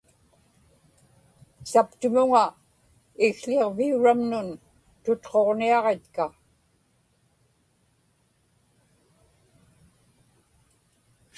saptumuŋa ikł̣iġviuramnun tutquġniaġitka